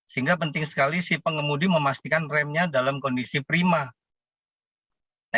sehingga penting sekali si pengemudi memastikan remnya dalam kondisi prima